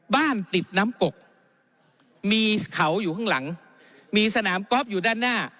บ้านติดน้ำกกมีเขาอยู่ข้างหลังมีสนามกอล์ฟอยู่ด้านหน้า